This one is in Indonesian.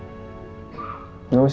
aku mau bantu dia